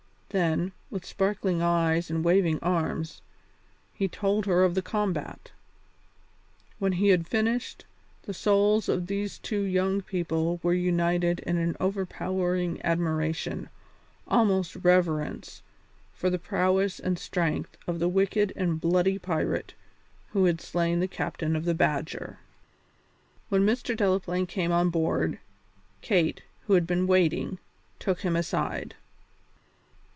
Then, with sparkling eyes and waving arms, he told her of the combat. When he had finished, the souls of these two young people were united in an overpowering admiration, almost reverence, for the prowess and strength of the wicked and bloody pirate who had slain the captain of the Badger. When Mr. Delaplaine came on board, Kate, who had been waiting, took him aside.